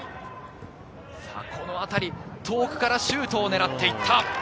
このあたり、遠くからシュートを狙っていった。